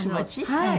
はい。